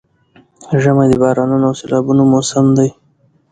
ژمی د بارانونو او سيلابونو موسم دی؛